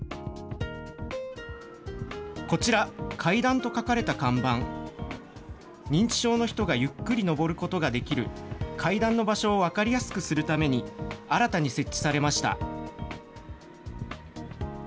こちら、階段と書かれた看板、認知症の人がゆっくり上ることができる階段の場所を分かりやすくするために、新たに設置されました。